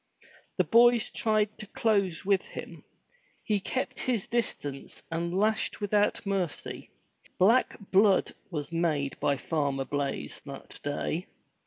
The boys tried to close with him. He kept his distance and lashed without mercy. Black blood was made by Farmer Blaize that day!